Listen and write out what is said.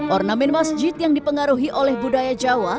ornamen masjid yang dipengaruhi oleh budaya jawa